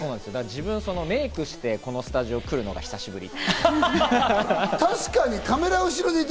自分、メイクしてこのスタジオに来るのが久しぶり。